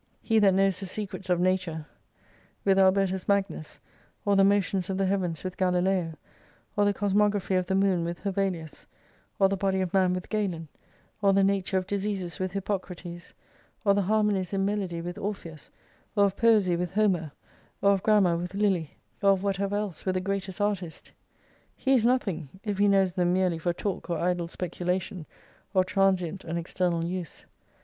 He that knows the secrets of nature with Albertus 189 Magnus, or the motions of the heavens with Galileo, or the cosmography of the moon with Hevelius, or the body of man with Galen, or the nature of diseases with Hippocrates, or the harmonies in melody with Orpheus, or of poesy with Homer, or of Grammar with Lilly, or of whatever else with the greatest artist ; he is nothing, if he knows them merely for talk or idle speculation, or transient and external use.